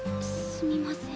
すみません。